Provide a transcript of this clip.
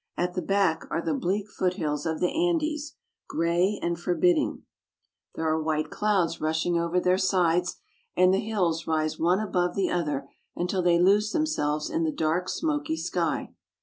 At the back are the bleak foothills of the Andes, gray and forbidding. There are white clouds LIMA. 59 rushing over their sides, and the hills rise one above the other until they lose themselves in the dark, smoky sky.